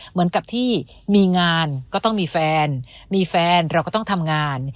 เหมือนกับที่มีงานก็ต้องมีแฟนมีแฟนเราก็ต้องทำงาน